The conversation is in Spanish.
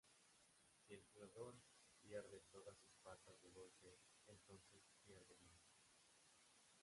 Si el jugador pierde todas sus patas de golpe, entonces pierde una vida.